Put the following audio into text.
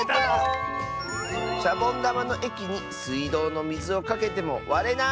「シャボンだまのえきにすいどうのみずをかけてもわれない！」。